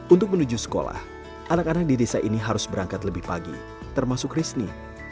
untuk menuju sekolah anak anak di desa ini harus berangkat lebih pagi termasuk risni